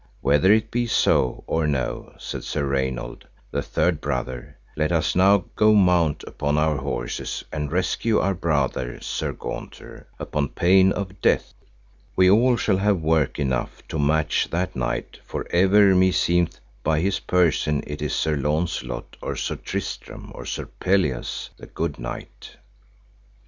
Whether it be so or no, said Sir Raynold, the third brother, let us now go mount upon our horses and rescue our brother Sir Gaunter, upon pain of death. We all shall have work enough to match that knight, for ever meseemeth by his person it is Sir Launcelot, or Sir Tristram, or Sir Pelleas, the good knight.